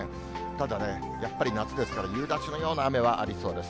ただね、やっぱり夏ですから、夕立のような雨はありそうです。